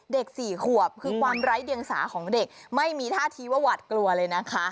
สี่ขวบคือความไร้เดียงสาของเด็กไม่มีท่าทีว่าหวัดกลัวเลยนะคะ